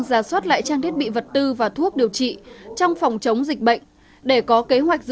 giả soát lại trang thiết bị vật tư và thuốc điều trị trong phòng chống dịch bệnh để có kế hoạch